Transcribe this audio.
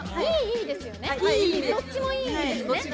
どっちもいい意味ですよね。